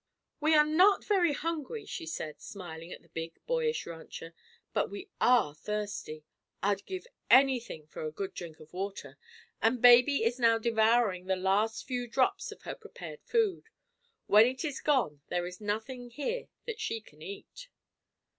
"We are not very hungry," she said, smiling at the big, boyish rancher, "but we are thirsty. I'd give anything for a good drink of water. And baby is now devouring the last few drops of her prepared food. When it is gone there is nothing here that she can eat."